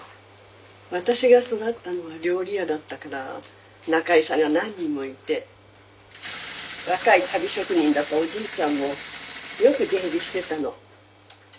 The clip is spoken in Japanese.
私が育ったのは料理屋だったから仲居さんが何人もいて若い足袋職人だったおじいちゃんもよく出入りしてたの。